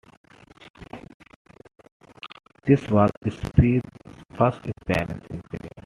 This was Spaeth's first appearance in film.